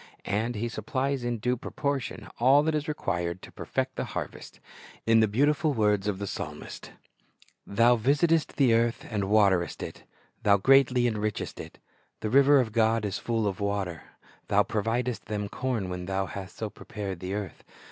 And He supplies in due proportion all that is required to perfect the harvest. In the beautiful words of the psalmist: — "Thou visitest the earth, and waterest it; Thou greatly enrichest it; The river of God is full of water; Thou providest them corn when Thou hast so prepared the earth.